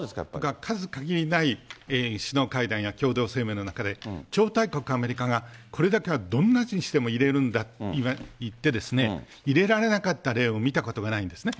数限りない首脳会談や共同声明の中で、超大国アメリカが、これだけはどんなことをしても入れるんだといって、入れられなかった例を見たことがないんですね。